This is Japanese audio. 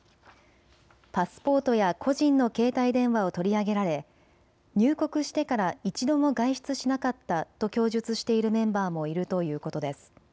パスポートや個人の携帯電話を取り上げられ入国してから一度も外出しなかったと供述しているメンバーもいるということです。